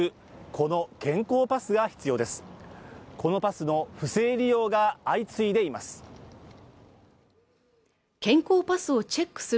このパスの不正利用が相次いでいます